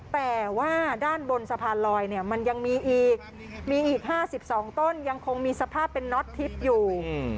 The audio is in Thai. แต่ว่าด้านบนสะพานลอยเนี่ยมันยังมีอีกมีอีก๕๒ต้นยังคงมีสภาพเป็นน็อตทิพย์อยู่